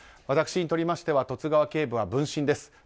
私にとりましては十津川警部は分身です